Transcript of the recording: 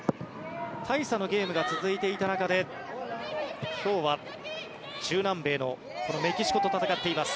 大差のゲームが続いていた中で今日は中南米のメキシコと戦っています。